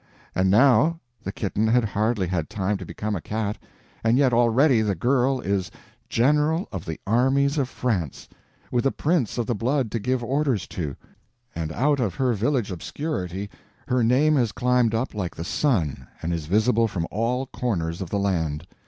And now—the kitten had hardly had time to become a cat, and yet already the girl is General of the Armies of France, with a prince of the blood to give orders to, and out of her village obscurity her name has climbed up like the sun and is visible from all corners of the land!